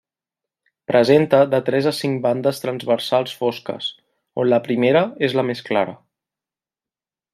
Presenta de tres a cinc bandes transversals fosques, on la primera és la més clara.